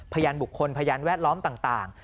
พยานบุคคลพยานแวดล้อมต่าง